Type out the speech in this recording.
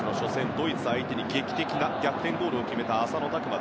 ドイツ相手に劇的な逆点ゴールを決めた浅野。